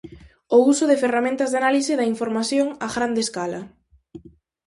O uso de ferramentas de análise da información a grande escala.